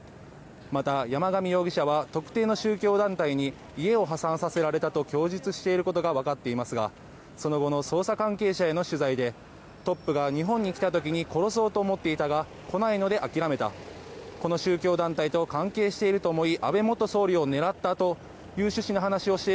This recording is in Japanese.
また、山上容疑者は特定の宗教団体に家を破産させられたと供述していることがわかっていますがその後の捜査関係者への取材でトップが日本に来た時に殺そうと思っていたが来ないので諦めたこの宗教団体と関係していると思い